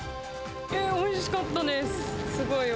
おいしかったです。